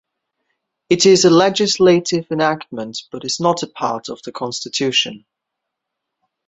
It is a legislative enactment but is not a part of the Constitution.